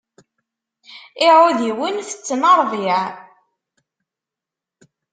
Iɛudiwen tetten ṛṛbiɛ.